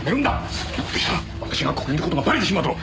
そんな事をしたら私がここにいる事がバレてしまうだろ！